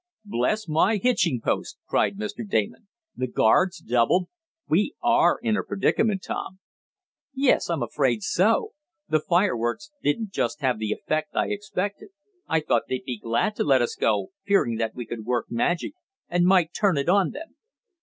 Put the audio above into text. "Bless my hitching post!" cried Mr. Damon. "The guards doubled? We ARE in a predicament, Tom." "Yes, I'm afraid so. The fireworks didn't just have the effect I expected. I thought they'd be glad to let us go, fearing that we could work magic, and might turn it on them.